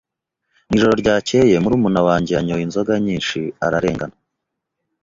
Mu ijoro ryakeye, murumuna wanjye yanyoye inzoga nyinshi ararengana.